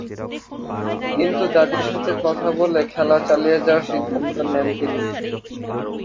কিন্তু দাদীর সাথে কথা বলে খেলা চালিয়ে যাওয়ার সিদ্ধান্ত নেন তিনি।